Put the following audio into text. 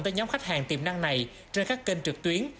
tới nhóm khách hàng tiềm năng này trên các kênh trực tuyến